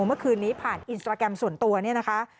เมื่อคืนนี้ผ่านอินสตราแกรมส่วนตัวเนี่ยนะคะ